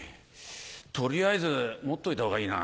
取りあえず持っといた方がいいな。